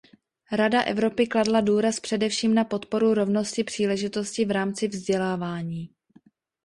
Rada Evropy kladla důraz především na podporu rovnosti příležitostí v rámci vzdělávání.